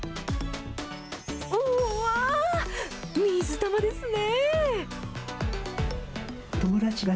わー、水玉ですね。